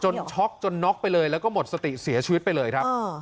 ช็อกจนน็อกไปเลยแล้วก็หมดสติเสียชีวิตไปเลยครับ